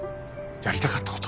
やりたかったこと！